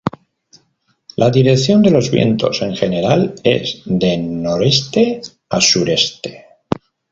La dirección de los vientos en general es de noreste a suroeste.